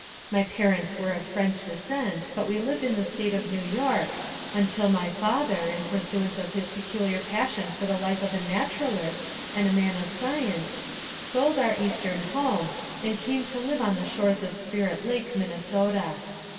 My parents were of French descent, but we lived in the State of New York, until my father, in pur suance of his peculiar passion for the life of a nat uralist and a man of science, sold our eastern home, and came to live on the shores of Spirit Lake, Min nesota.